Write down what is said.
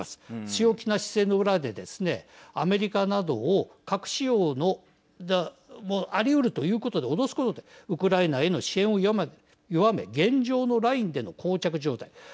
強気な姿勢の裏でですねアメリカなどを核使用もありうるということで脅すことでウクライナへの支援を弱め現状のラインでのこう着状態